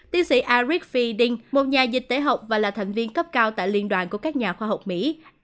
chính sĩ eric fieding một nhà dịch tế học và là thành viên cấp cao tại liên đoàn của các nhà khoa học mỹ